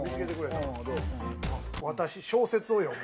『「私小説」を読む』。